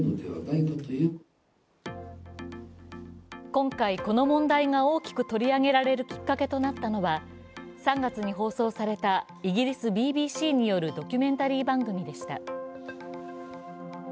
今回、この問題が大きく取り上げられるきっかけとなったのは３月に放送されたイギリスＢＢＣによるドキュメンタリー番組でした。